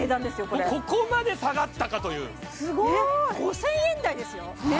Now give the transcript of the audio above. これここまで下がったかというえっ５０００円台ですよ？